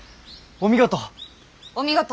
お見事！